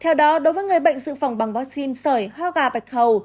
theo đó đối với người bệnh dự phòng bằng vaccine sởi ho gà bạch hầu